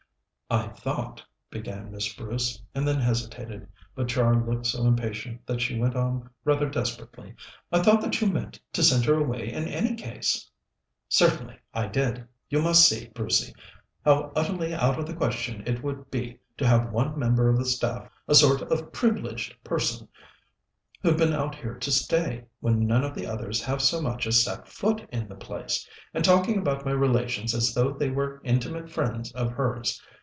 "I thought," began Miss Bruce, and then hesitated, but Char looked so impatient that she went on rather desperately "I thought that you meant to send her away in any case?" "Certainly I did. You must see, Brucey, how utterly out of the question it would be to have one member of the staff a sort of privileged person, who'd been out here to stay, when none of the others have so much as set foot in the place, and talking about my relations as though they were intimate friends of hers.